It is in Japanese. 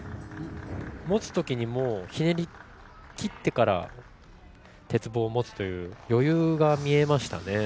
持つときにひねり切ってから鉄棒を持つという余裕が見えましたね。